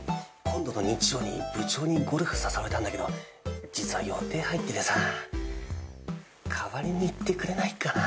今度の日曜に部長にゴルフ誘われたんだけど実は予定入っててさ代わりに行ってくれないかな？